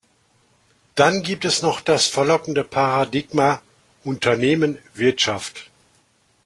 Dann gibt es noch das verlockende Paradigma "Unternehmen-Wirtschaft" .